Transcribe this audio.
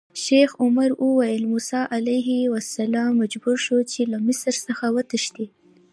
شیخ عمر ویل: موسی علیه السلام مجبور شو چې له مصر څخه وتښتي.